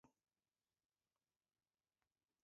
Delgado izan zen Kuban odol-transfusioa egin zuen lehena.